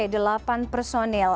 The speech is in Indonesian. oke delapan personil